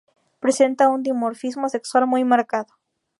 Presenta un dimorfismo sexual muy marcado.